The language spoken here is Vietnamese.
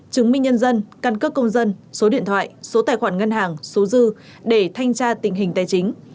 chứng minh nhân dân căn cước công dân số điện thoại số tài khoản ngân hàng số dư để thanh tra tình hình tài chính